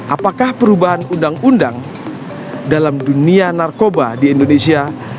apakah perubahan undang undang dalam dunia narkoba di indonesia